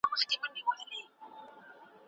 ورته ایښی د مغول د حلوا تال دی